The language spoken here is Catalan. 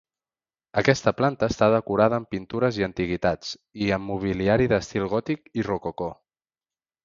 Aquesta planta està decorada amb pintures i antiguitats, i amb mobiliari d'estil gòtic i rococó.